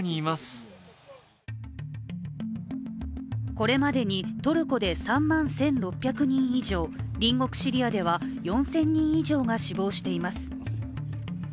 これまでにトルコで３万１６００人以上、隣国シリアでは４０００人以上が死亡しています。